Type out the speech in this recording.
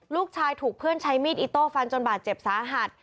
ลูกชายถูกเพื่อนใช้มีดอิโต้ฟันจนบาดเจ็บสาหัส